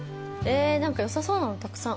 なんかよさそうなのたくさん。